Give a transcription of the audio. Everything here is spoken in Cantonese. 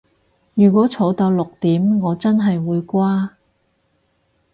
如果坐到六點我真係會瓜